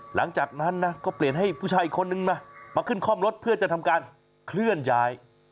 หลังจากนั้นนะก็เปลี่ยนให้ผู้ชายอีกคนนึงมามาขึ้นคล่อมรถเพื่อจะทำการเคลื่อนย้าย